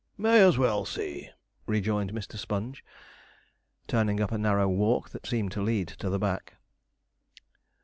'May as well see,' rejoined Mr. Sponge, turning up a narrow walk that seemed to lead to the back.